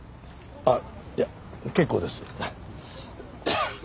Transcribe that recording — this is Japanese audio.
あっいや結構です。